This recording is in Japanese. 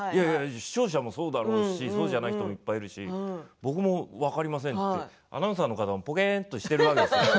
視聴者もそうだろうしそうじゃない人もいっぱいいるだろうし僕も分かりません、アナウンサーの方もぼけっとしているわけなんです。